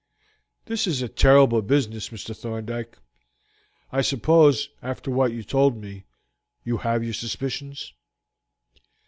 "This is a terrible business, Mr. Thorndyke. I suppose, after what you told me, you have your suspicions?"